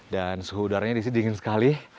dan suhu udaranya di sini dingin sekali